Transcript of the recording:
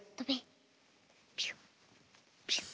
ピュッピュッ！